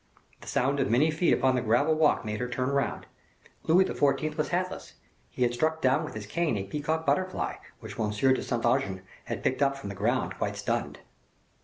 The sound of many feet upon the gravel walk made her turn round. Louis XIV. was hatless, he had struck down with his cane a peacock butterfly, which Monsieur de Saint Aignan had picked up from the ground quite stunned.